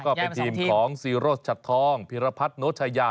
ก็เป็นทีมของซีโรชัดทองพิรพัฒนชายา